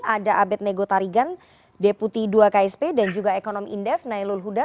ada abed nego tarigan deputi dua ksp dan juga ekonom indef nailul huda